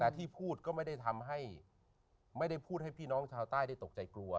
แต่ที่พูดก็ไม่ได้ทำให้ไม่ได้พูดให้พี่น้องชาวใต้ได้ตกใจกลัว